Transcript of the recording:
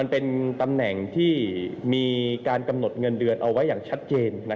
เป็นตำแหน่งที่มีการกำหนดเงินเดือนเอาไว้อย่างชัดเจน